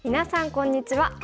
こんにちは。